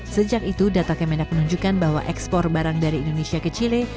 sejak itu data kemenak menunjukkan bahwa ekspor barang dari indonesia ke chile